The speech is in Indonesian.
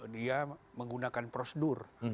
dia menggunakan prosedur